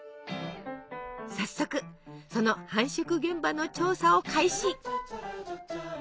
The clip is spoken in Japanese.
早速その繁殖現場の調査を開始！